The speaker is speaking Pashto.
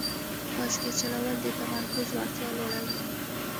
بایسکل چلول د تمرکز وړتیا لوړوي.